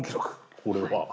これは。